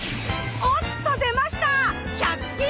おっと出ました